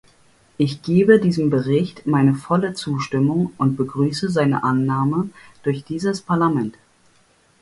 Ich gebe diesem Bericht meine volle Zustimmung und begrüße seine Annahme durch dieses Parlament.